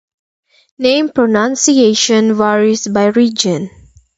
Name pronunciation varies by region.